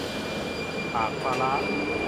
ปากปลาร้า